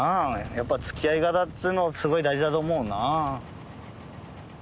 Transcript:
やっぱ付き合い方っつうのすごく大事だと思うな。